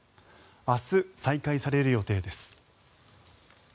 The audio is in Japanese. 明日、再開される予定です。